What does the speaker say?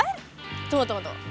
tunggu tunggu tunggu